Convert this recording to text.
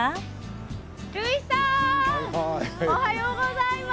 類さんおはようございます！